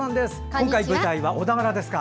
今回、舞台は小田原ですか。